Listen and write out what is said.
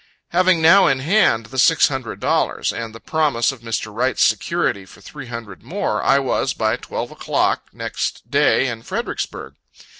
Having now in hand the six hundred dollars, and the promise of Mr. Wright's security for three hundred more, I was, by twelve o'clock, next day in Fredericksburg.